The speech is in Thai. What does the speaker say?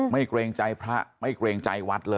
เกรงใจพระไม่เกรงใจวัดเลย